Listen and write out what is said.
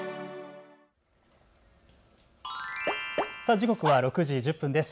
時刻は６時１０分です。